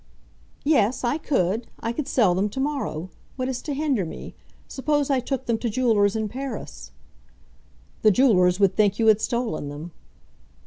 "Yes, I could; I could sell them to morrow. What is to hinder me? Suppose I took them to jewellers in Paris?" "The jewellers would think you had stolen them."